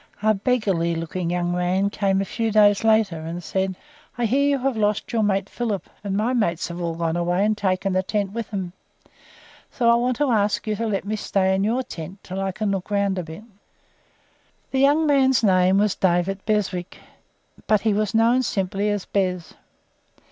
A beggarly looking young man came a few days later, and said: "I hear you have lost your mate Philip, and my mates have all gone away and taken the tent with them; so I want to ask you to let me stay in your tent until I can look round a bit." This young man's name was David Beswick, but he was known simply as "Bez."